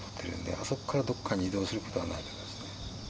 あそこからどこかに移動することはないと思いますね。